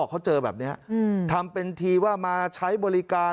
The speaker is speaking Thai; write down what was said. เขาเจอแบบนี้ทำเป็นทีว่ามาใช้บริการ